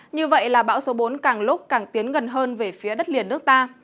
như vậy là bão số bốn càng lúc càng tiến gần hơn về phía đất liền nước ta